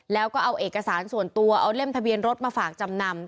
แล้วก็เอาเอกสารส่วนตัวเอาเล่มทะเบียนรถมาฝากจำนำ